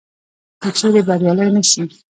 که چیري بریالي نه سي